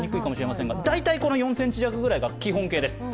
大体この４ｃｍ弱くらいが基本形です。